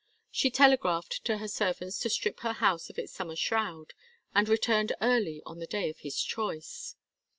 She telegraphed to her servants to strip her house of its summer shroud, and returned early on the day of his choice.